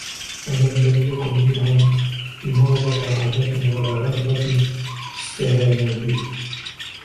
وَمَنْ لَمْ يَكُنْ مِنْهُمْ بِمَوْضِعِ رَهْبَةٍ وَلَا رَغْبَةٍ اسْتَهَانُوا بِهِ